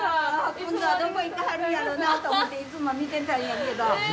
今度はどこ行かはるんやろうなと思うていつも見てたんやけど。